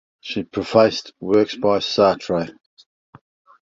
She prefaced works by Sartre.